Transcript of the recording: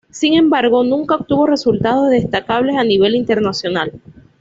Sin embargo nunca obtuvo resultados destacables a nivel internacional.